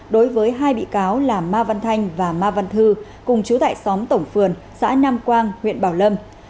đối với hai bị cáo là ma văn thanh và ma văn thư cùng chú tại xóm tổng phường xã nam quang huyện bảo lâm